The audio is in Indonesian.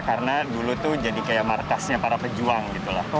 karena dulu itu jadi kayak markasnya para pejuang gitu lah